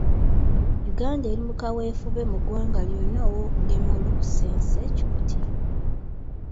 Uganda eri mu kaweefube mu ggwanga lyonna ow'okugema olunkusense-Kikutiya.